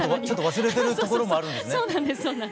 ちょっと忘れてるところもあるんですね。